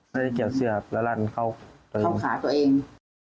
ไม่ได้เกี่ยวเสื้อแล้วลั่นเข้าขาตัวเอง